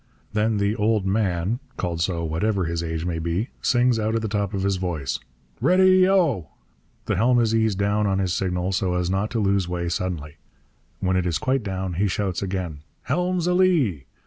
Then the 'old man' (called so whatever his age may be) sings out at the top of his voice, 'Ready, oh!' The helm is eased down on his signal, so as not to lose way suddenly. When it is quite down he shouts again, 'Helm's a lee!'